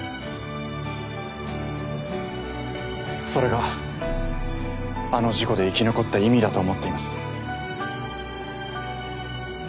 それがあの事故で生き残った意味だと思っています。